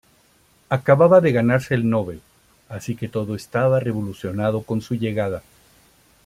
Acababa de ganarse el Nobel, así que todo estaba revolucionado con su llegada.